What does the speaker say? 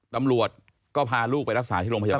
ตำรวจก็พาลูกไปรักษาที่โรงพยาบาล